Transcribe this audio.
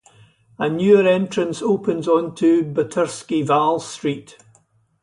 A newer entrance opens onto Butirsky Val Street.